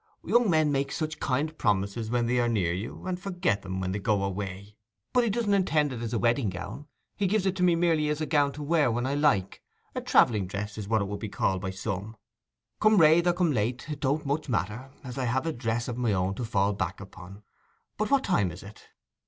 Young men make such kind promises when they are near you, and forget 'em when they go away. But he doesn't intend it as a wedding gown—he gives it to me merely as a gown to wear when I like—a travelling dress is what it would be called by some. Come rathe or come late it don't much matter, as I have a dress of my own to fall back upon. But what time is it?